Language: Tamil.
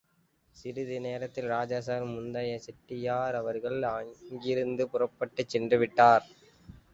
சிறிது நேரத்தில் ராஜா சர் முத்தையா செட்டியார் அவர்கள் அங்கிருந்து புறப்பட்டுச் சென்றுவிட்டார்.